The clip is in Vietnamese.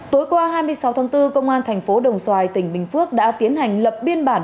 tối qua hai mươi sáu tháng bốn công an thành phố đồng xoài tỉnh bình phước đã tiến hành lập biên bản